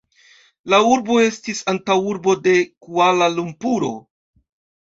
La urbo estis antaŭurbo de Kuala-Lumpuro.